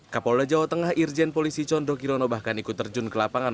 kapol de jawa tengah irjen polisi conro kirono bahkan ikut terjun ke lapangan